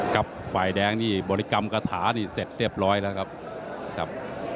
ฝ่ายแดงนี่บริกรรมคาถานี่เสร็จเรียบร้อยแล้วครับ